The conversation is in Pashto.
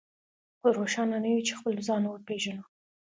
خو روښانه نه يو چې خپل ځان وپېژنو.